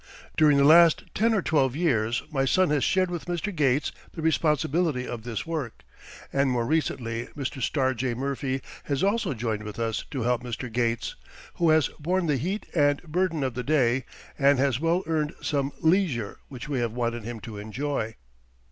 During the last ten or twelve years my son has shared with Mr. Gates the responsibility of this work, and more recently Mr. Starr J. Murphy has also joined with us to help Mr. Gates, who has borne the heat and burden of the day, and has well earned some leisure which we have wanted him to enjoy.